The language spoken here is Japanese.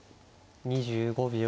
２５秒。